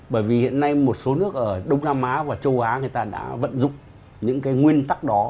bởi vì hiện nay một số nước ở đông nam á và châu á người ta đã vận dụng những cái nguyên tắc đó